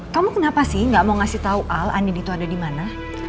kamu kenapa sih gak mau ngasih tau al andin itu ada dimana